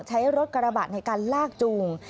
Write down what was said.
ใช้รถกระบะในการลากจูง